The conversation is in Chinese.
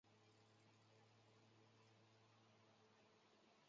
三蕊草属是禾本科下的一个属。